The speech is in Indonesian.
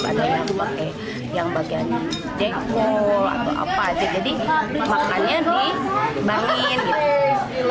ada yang bagian jengkol jadi makannya dibagiin gitu